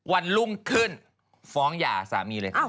วันรุ่งขึ้นฟ้องหย่าสามีเลย